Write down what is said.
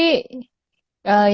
kondisi sulit banget sih udah pasti